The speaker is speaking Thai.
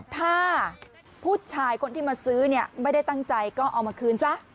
ถ้าผู้ชายคนที่มาซื้อเนี่ยไม่ได้ตั้งใจก็เอามาคืนซะ